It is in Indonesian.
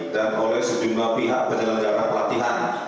dan oleh sejumlah pihak penelajaran pelatihan